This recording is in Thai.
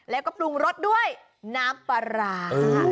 แล้วก็ปรุงรสด้วยน้ำปลาร้า